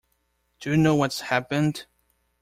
Do you know what's happened?